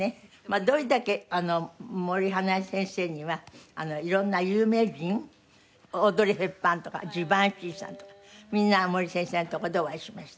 どれだけ森英恵先生には色んな有名人オードリー・ヘプバーンとかジバンシィさんとかみんなが森先生のとこでお会いしました。